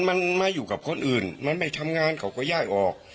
มันมาอยู่กับคนอื่นมันไม่ทำงานเขาก็ย่ายออก